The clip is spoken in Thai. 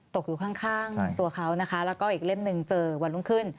ตกอยู่ข้างตัวเขานะคะแล้วก็อีกเล่มหนึ่งเจอวันรุ่งขึ้น